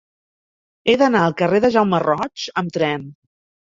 He d'anar al carrer de Jaume Roig amb tren.